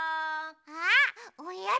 あおやつ！